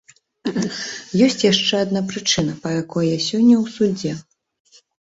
Ёсць яшчэ адна прычына, па якой я сёння ў судзе.